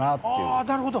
ああなるほど。